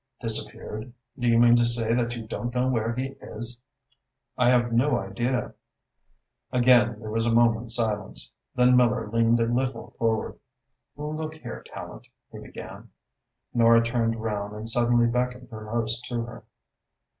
"Disappeared? Do you mean to say that you don't know where he is?" "I have no idea." Again there was a moment's silence. Then Miller leaned a little forward. "Look here, Tallente," he began Nora turned round and suddenly beckoned her host to her.